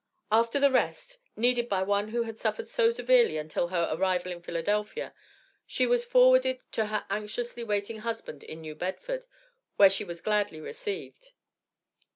After the rest, needed by one who had suffered so severely until her arrival in Philadelphia, she was forwarded to her anxiously waiting husband in New Bedford, where she was gladly received.